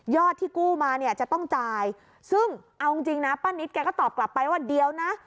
ที่กู้มาเนี่ยจะต้องจ่ายซึ่งเอาจริงนะป้านิตแกก็ตอบกลับไปว่าเดี๋ยวนะ